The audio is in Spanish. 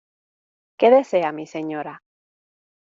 ¿ qué desea mi señora?